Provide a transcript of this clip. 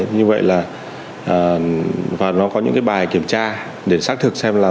như vậy là và nó có những cái bài kiểm tra để xác thực xem là